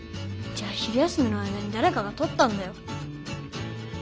じゃ昼休みの間にだれかがとったんだよ。